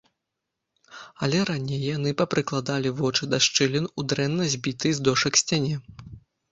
Але раней яны папрыкладалі вочы да шчылін у дрэнна збітай з дошак сцяне.